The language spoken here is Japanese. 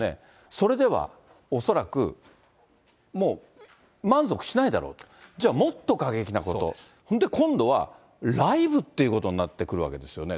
それでは恐らく、もう満足しないだろうと、じゃあ、もっと過激なこと、今度はライブということになってくるわけですよね。